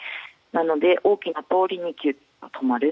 なので、大きな通りに止まる。